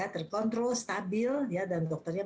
terkontrol stabil dan dokternya